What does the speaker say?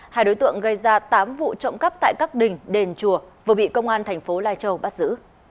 hai đối tượng gây ra tám vụ trộm cắp tại các đình đền chùa vừa bị công an thành phố lai châu bắt giữ